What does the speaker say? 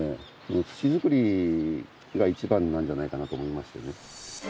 土作りが一番なんじゃないかなと思いましてね。